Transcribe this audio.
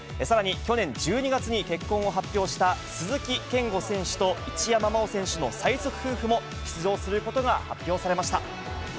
さらに去年１２月に結婚を発表した鈴木健吾選手と一山麻緒選手の最速夫婦も出場することが発表されました。